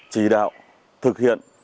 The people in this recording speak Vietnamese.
chỉ đạo thực hiện